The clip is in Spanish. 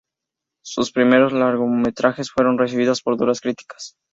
Sus primeros largometrajes fueron recibidos por duras críticas.